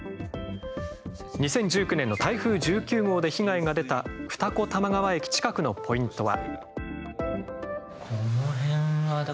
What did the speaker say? ２０１９年の台風１９号で被害が出た二子玉川駅近くのポイントは。